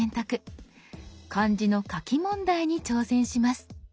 漢字の書き問題に挑戦します。